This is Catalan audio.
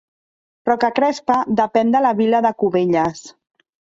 Rocacrespa depèn de la vila de Cubelles.